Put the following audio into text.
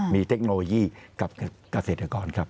มีเทคโนโลยีกับเกษตรกรครับ